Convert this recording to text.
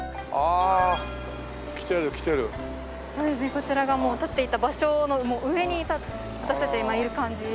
こちらが立っていた場所の上に私たちは今いる感じ。